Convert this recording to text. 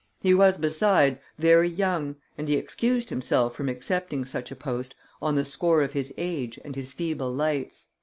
He was, besides, very young, and he excused himself from accepting such a post on the score of his age and his feeble lights.